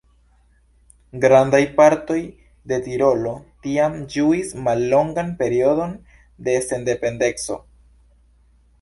Grandaj partoj de Tirolo tiam ĝuis mallongan periodon de sendependeco.